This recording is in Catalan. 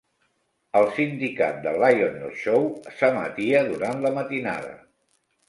El sindicat "The Lionel Show" s'emetia durant la matinada.